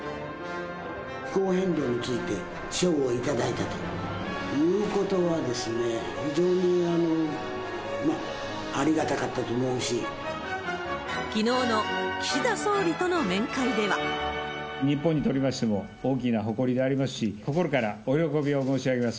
気候変動について賞をいただいたということが、きのうの岸田総理との面会で日本にとりましても大きな誇りでありますし、心からお喜びを申し上げます。